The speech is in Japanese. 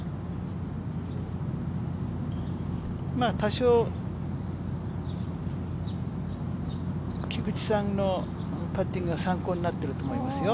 多少、菊地さんのパッティングが参考になってると思いますよ。